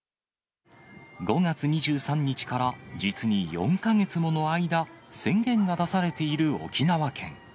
５月２３日から実に４か月もの間、宣言が出されている沖縄県。